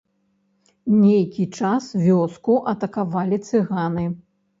Нейкі час вёску атакавалі цыганы.